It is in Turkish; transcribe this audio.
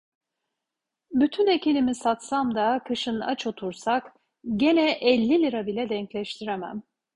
Bütün ekinimi satsam da kışın aç otursak, gene elli lira bile denkleştiremem…